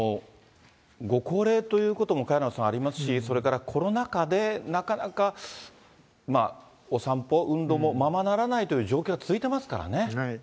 ご高齢ということも萱野さん、ありますし、それからコロナ禍でなかなかお散歩、運動もままならないという状況が続いてますからね。